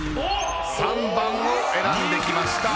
３番を選んできました。